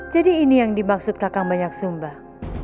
jadi ini yang dimaksud kakak banyak sumbah